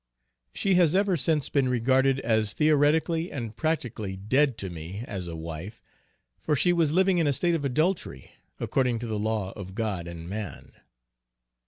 She has ever since been regarded as theoretically and practically dead to me as a wife, for she was living in a state of adultery, according to the law of God and man.